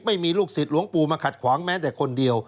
ไม่มีลูกศิษย์หลวงปู่มาขัดขวางแม้แต่คนเดียว